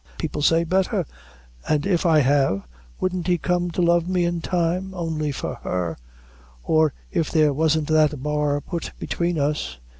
people say betther an' if I have, wouldn't he come to love me in time? only for her or if there wasn't that bar put between us.